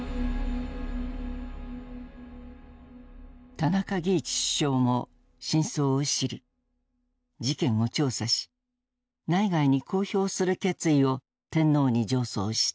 田中義一首相も真相を知り事件を調査し内外に公表する決意を天皇に上奏した。